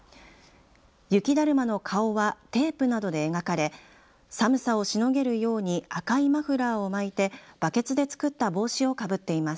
雪だるまの顔はテープなどで描かれ寒さをしのげるように赤いマフラーを巻いてばけつで作った帽子をかぶっています。